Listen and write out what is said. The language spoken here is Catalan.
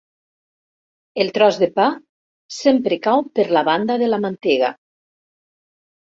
El tros de pa sempre cau per la banda de la mantega.